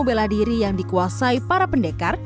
bela diri yang dikuasai para pendekar